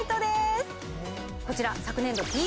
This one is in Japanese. こちら昨年度